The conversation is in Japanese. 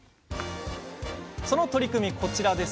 その取り組みがこちらです。